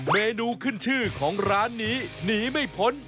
เมนูขึ้นชื่อของร้านนี้หนีไม่พ้น